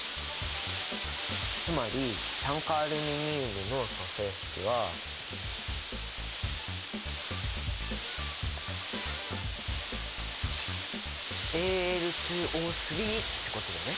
つまり酸化アルミニウムの組成式は。ってことだね。